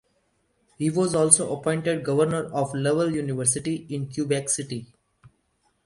He was also appointed Governor of Laval University in Quebec City.